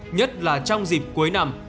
nhất là trong dịp cuối năm